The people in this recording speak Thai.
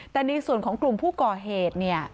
แต่ในส่วนของกลุ่มผู้ก่อเหตุเนี่ย